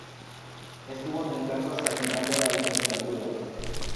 Estuvo en el cargo hasta el final de la legislatura.